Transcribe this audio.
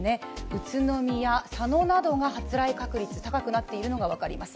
宇都宮、佐野などが発雷確率高くなっているのが分かります。